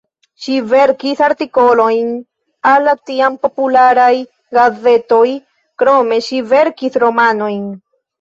Ŝi verkis artikolojn al la tiam popularaj gazetoj, krome ŝi verkis romanojn.